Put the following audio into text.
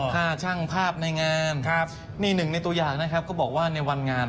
ค่าชุดแต่งงาน